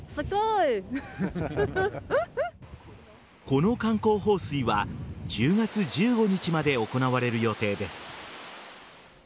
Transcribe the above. この観光放水は１０月１５日まで行われる予定です。